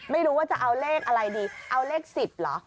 ไม่รู้ว่าจะเอาเลขอะไรดีเอาเลข๑๐เหรอ